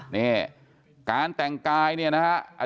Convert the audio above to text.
นี่การแต่งกายเนี่ยนะฮะ